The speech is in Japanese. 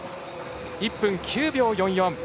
１分９秒４４。